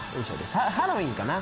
ハロウィーンかな。